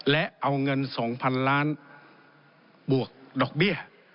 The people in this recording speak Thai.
และเอาเงิน๒๐๐๐ล้านบวกดอกเบี้ย